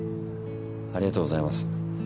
ありがとうございます。